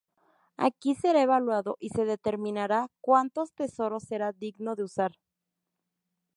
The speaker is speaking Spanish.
Aquí será evaluado y se determinará cuántos tesoros será digno de usar.